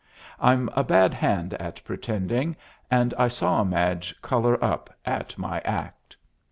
I'm a bad hand at pretending, and I saw Madge color up at my act.